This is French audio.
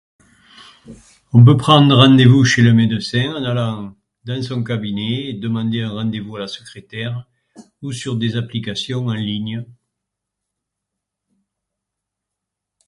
On peut prendre rendez-vous chez le médecin en allant dans son cabinet, demander un rendez-vous à la secrétaire ou sur des applications en ligne.